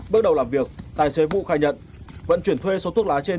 bước đầu làm việc tài xế vũ khai nhận vận chuyển thuê số thuốc lá trên